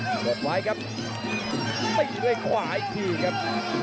ระบบไว้ครับตีด้วยขวาอีกทีครับ